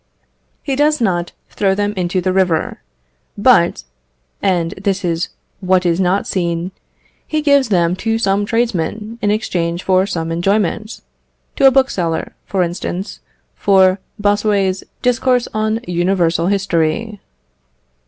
He does not throw them into the river, but (and this is what is not seen) he gives them to some tradesman in exchange for some enjoyment; to a bookseller, for instance, for Bossuet's "Discourse on Universal History."